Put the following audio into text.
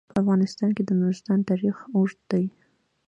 په افغانستان کې د نورستان تاریخ اوږد دی.